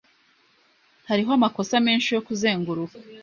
Hariho amakosa menshi yo kuzenguruka.